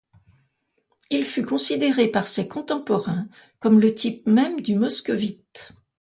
Il fut considéré par ses contemporains comme le type même du Moscovite.